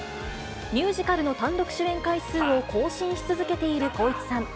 ミュージカルの単独主演回数を更新し続けている光一さん。